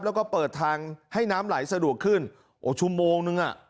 แล้วก็เปิดทางให้น้ำไหลสะดวกขึ้นโอ้ชั่วโมงนึงอ่ะ